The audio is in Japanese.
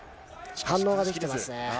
反応ができてますね。